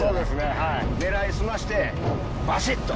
はい狙い澄ましてバシッと！